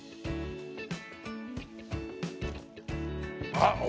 あっ！